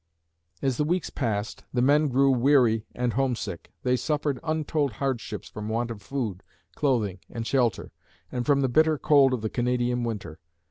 As the weeks passed, the men grew weary and homesick. They suffered untold hardships from want of food, clothing and shelter, and from the bitter cold of the Canadian winter.